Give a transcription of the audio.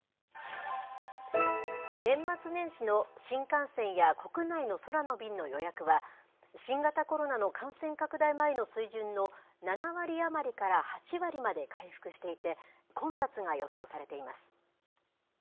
年末年始の新幹線や国内の空の便の予約は、新型コロナの感染拡大前の水準の７割余りから８割まで回復していて、混雑が予想されています。